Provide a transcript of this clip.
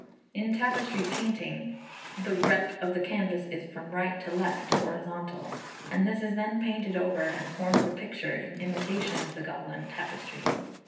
In Tapestry Painting the rep of the canvas is from right to left (horizontal), and this is then painted over and forms a picture in imitation of the Gobelin tapestry.